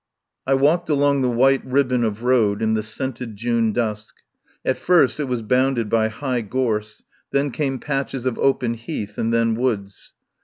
I walked along the white ribbon of road in the scented June dusk. At first it was bound ed by high gorse, then came patches of open heath, and then woods.